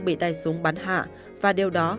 bị tay súng bắn hạ và điều đó